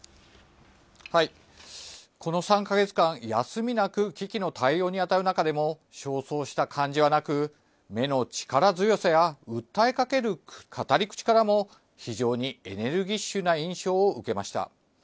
この３か月間、休みなく危機の対応に当たる中でも、焦燥した感じはなく、目の力強さや、訴えかける語り口からも、非常にエネルギッシュな印象を受けました。